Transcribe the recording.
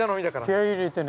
◆気合入れてね。